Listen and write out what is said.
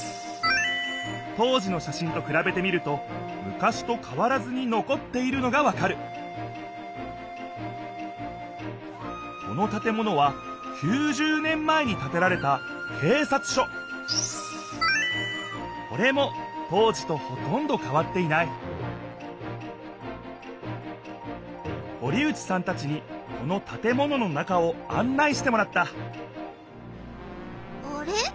当時のしゃしんとくらべてみると昔と変わらずに残っているのがわかるこの建物は９０年前に建てられたけいさつしょこれも当時とほとんど変わっていない堀内さんたちにこの建物の中をあん内してもらったあれ？